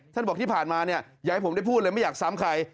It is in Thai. บอกที่ผ่านมาเนี่ยอย่าให้ผมได้พูดเลยไม่อยากซ้ำใคร